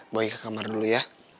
boleh ke kamar dulu ya